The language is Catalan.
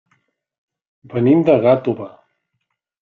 Venim de Gàtova.